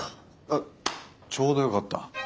あっちょうどよかった。